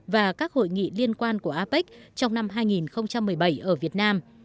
và các hội nghị liên quan của apec trong năm hai nghìn một mươi bảy ở việt nam